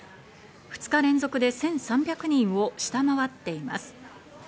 ２日連続で１３００人を下回っています。